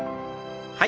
はい。